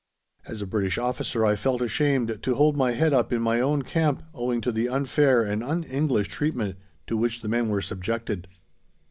As a British officer I felt ashamed to hold my head up in my own camp owing to the unfair and un English treatment to which the men were subjected.